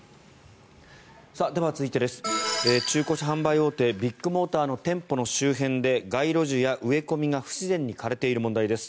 では続いて中古車販売大手ビッグモーターの店舗の周辺で街路樹や植え込みが不自然に枯れている問題です。